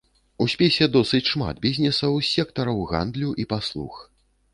У спісе досыць шмат бізнесаў з сектараў гандлю і паслуг.